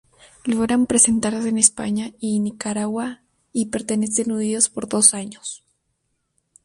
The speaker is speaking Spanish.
Logran presentarse en España y Nicaragua y permanecen unidos por dos años.